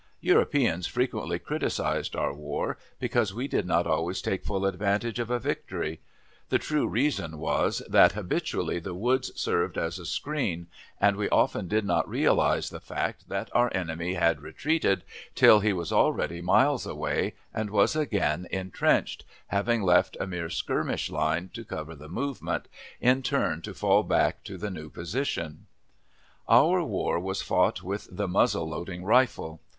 Europeans frequently criticised our war, because we did not always take full advantage of a victory; the true reason was, that habitually the woods served as a screen, and we often did not realize the fact that our enemy had retreated till he was already miles away and was again intrenched, having left a mere skirmish line to cover the movement, in turn to fall back to the new position. Our war was fought with the muzzle loading rifle.